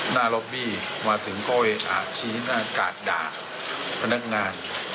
หน้าล็อบบี้มาถึงก้อยอาชีหน้ากาดด่าพนักงาน